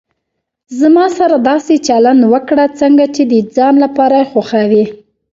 زما سره داسي چلند وکړه، څنګه چي د ځان لپاره خوښوي.